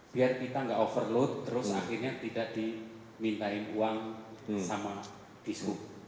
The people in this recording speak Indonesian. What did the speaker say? biar kita nggak overload terus akhirnya tidak dimintain uang sama dispu